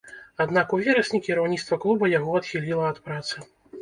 Аднак у верасні кіраўніцтва клуба яго адхіліла ад працы.